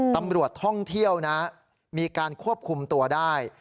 ตำรวจท่องเที่ยวนะมีการควบคุมตัวได้